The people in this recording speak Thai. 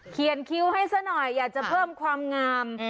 เขียนคิ้วให้สักหน่อยอยากจะเพิ่มความงาม